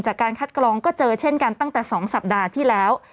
จากการคัดกรองก็เจอเช่นกันตั้งแต่๒สัปดาห์ที่แล้ว